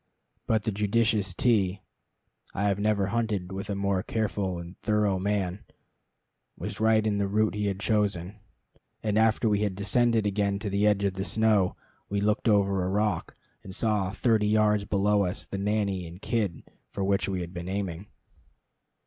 But the judicious T (I have never hunted with a more careful and thorough man) was right in the route he had chosen, and after we had descended again to the edge of the snow, we looked over a rock, and saw, thirty yards below us, the nanny and kid for which we had been aiming.